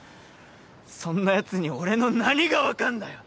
そんなやつに俺の何が分かんだよ！